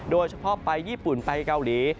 โดยเฉพาะไปญี่ปุ่นไปเกาหลี